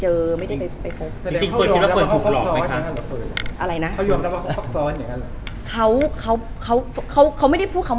เหมือนนางก็เริ่มรู้แล้วเหมือนนางก็เริ่มรู้แล้ว